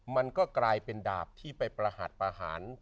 มันก็กลายเป็นดาบที่ไปประหัสประหาร